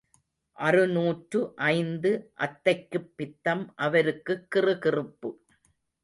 அறுநூற்று ஐந்து அத்தைக்குப் பித்தம் அவருக்குக் கிறுகிறுப்பு.